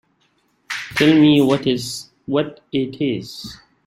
Tell me what it is.